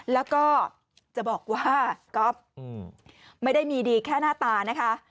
แล้วก็จะบอกว่าก๊อฟไม่ได้มีดีแค่หน้าตานะคะ